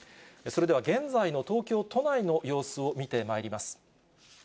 それでは、現在の東京都内の様子を見てまいります。